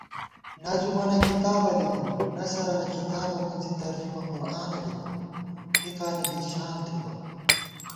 نظُمَنہ کِتابہ لِکُم، نثَرَنہ کِتابہ مِنزی ترجمہ قرآنہ لِکُم فِقا نی بی شان تھِبہ